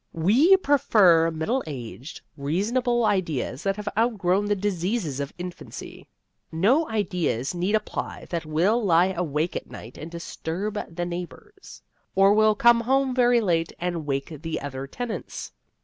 We prefer middle aged, reasonable ideas that have outgrown the diseases of infancy. No ideas need apply that will lie awake at night and disturb the neighbors, or will come home very late and wake the other tenants.